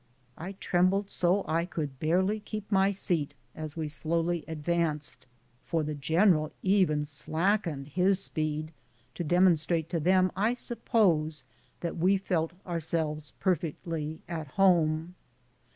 I trembled so I could barely keep my seat as we slowly advanced, for the gen eral even slackened his speed, to demonstrate to them, I suppose, that we felt ourselves perfectly at home.